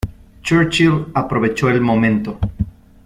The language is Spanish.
Churchill aprovechó el momento.